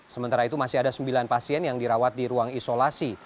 sementara itu masih ada sembilan pasien yang dirawat di ruang isolasi